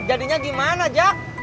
jadinya gimana jack